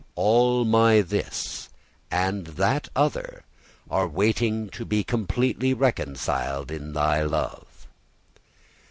All my this, and that other, are waiting to be completely reconciled in thy love.